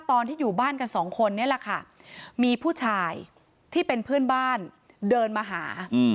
ตอนที่อยู่บ้านกันสองคนนี่แหละค่ะมีผู้ชายที่เป็นเพื่อนบ้านเดินมาหา